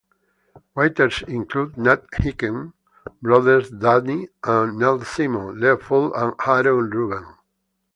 Writers included Nat Hiken, brothers Danny and Neil Simon, Leo Fuld and Aaron Ruben.